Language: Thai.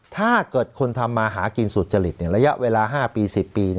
ถ้าเกิดคนทำมาหากินสุจริตระยะเวลา๕ปี๑๐ปี